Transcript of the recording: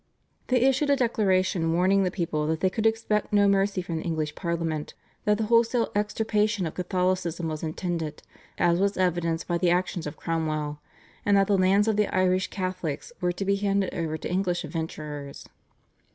They issued a declaration warning the people that they could expect no mercy from the English Parliament, that the wholesale extirpation of Catholicism was intended, as was evidenced by the actions of Cromwell, and that the lands of the Irish Catholics were to be handed over to English adventurers.